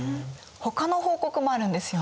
ほかの報告もあるんですよね。